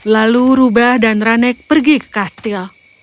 lalu ruba dan rane pergi ke kastil